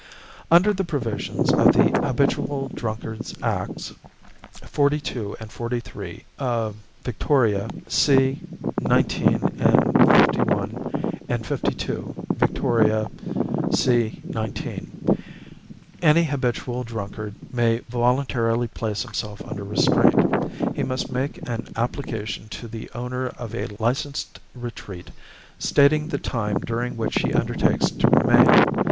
Under the provisions of the Habitual Drunkards Acts (42 and 43 Vict., c. 19, and 51 and 52 Vict., c. 19), any habitual drunkard may voluntarily place himself under restraint. He must make an application to the owner of a licensed retreat, stating the time during which he undertakes to remain.